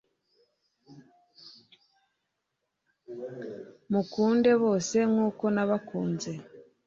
mukunde bose nk'uko nabakunze